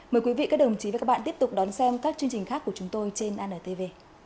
mời quý vị các đồng chí và các bạn tiếp tục đón xem các chương trình khác của chúng tôi trên antv